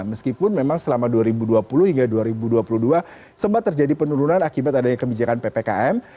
meskipun memang selama dua ribu dua puluh hingga dua ribu dua puluh dua sempat terjadi penurunan akibat adanya kebijakan ppkm